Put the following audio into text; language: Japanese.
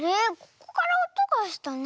ここからおとがしたね。